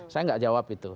saya nggak jawab itu